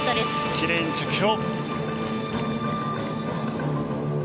きれいに着氷。